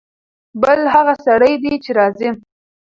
بل هغه سړی دی چې راځي.